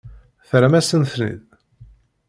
Terram-asen-ten-id?